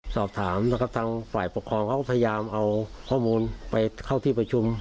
สอบถามตั้งฝ่ายประคองก็พยายามเอาข้อมูลเข้าที่ประชุม